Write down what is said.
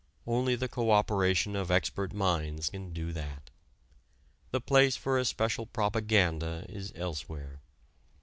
Only the co operation of expert minds can do that. The place for a special propaganda is elsewhere.